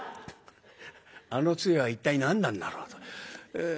あの杖は一体何なんだろうと。